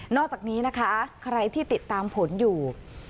อกจากนี้นะคะใครที่ติดตามผลอยู่